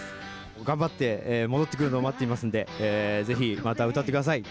頑張って戻ってくるのを待っていますんで是非また歌って下さい。